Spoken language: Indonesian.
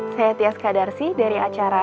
saya tias kadarsi dari acara